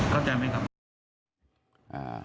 เข้าใจไหมครับ